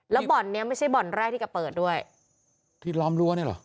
แล้วบ่อนเนี้ยไม่ใช่บ่อนแรกที่จะเปิดด้วยที่ล้อมรั้วเนี่ยเหรอ